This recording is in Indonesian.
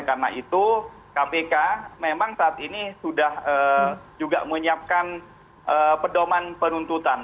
karena itu kpk memang saat ini sudah juga menyiapkan pedoman penuntutan